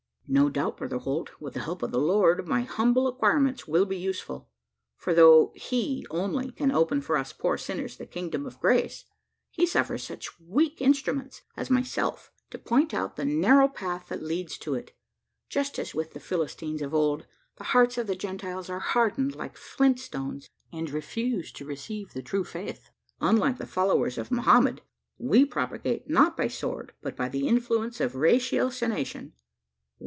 "No doubt, Brother Holt, with the help of the Lord, my humble acquirements will be useful; for though He only can open for us poor sinners the kingdom of grace, he suffers such weak instruments, as myself, to point out the narrow path that leads to it. Just as with the Philistines of old, the hearts of the Gentiles are hardened like flint stones, and refuse to receive the true faith. Unlike the followers of Mohammed, we propagate not by the sword, but by the influence of ratiocination."